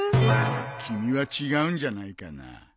君は違うんじゃないかな。